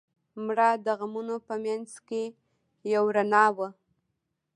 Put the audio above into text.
مړه د غمونو په منځ کې یو رڼا وه